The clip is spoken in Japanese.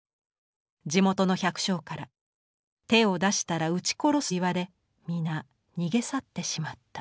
地元の百姓から手を出したら打ち殺すと言われ皆逃げ去ってしまった」。